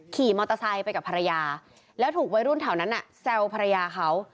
ขี่มอเตอร์ไซค์ไปกับภรรยาแล้วถูกวัยรุ่นแถวนั้นน่ะแซวภรรยาเขา